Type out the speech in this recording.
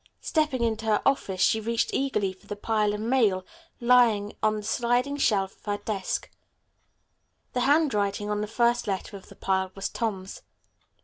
Stepping into her office she reached eagerly for the pile of mail lying on the sliding shelf of her desk. The handwriting on the first letter of the pile was Tom's.